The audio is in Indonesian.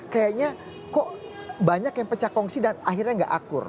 kayaknya kok banyak yang pecah kongsi dan akhirnya gak akur